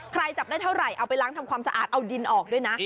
จับได้เท่าไหร่เอาไปล้างทำความสะอาดเอาดินออกด้วยนะ